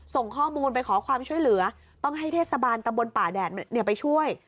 ส่งข้อมูลไปขอความช่วยเหลือต้องให้เทศบาลตำบลป่าแดดไปช่วย